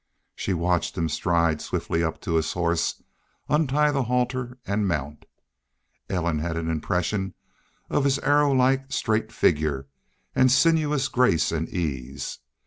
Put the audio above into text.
She watched him stride swiftly up to his horse, untie the halter, and mount. Ellen had an impression of his arrowlike straight figure, and sinuous grace and ease.